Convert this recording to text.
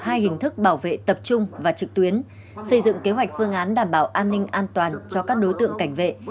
hai hình thức bảo vệ tập trung và trực tuyến xây dựng kế hoạch phương án đảm bảo an ninh an toàn cho các đối tượng cảnh vệ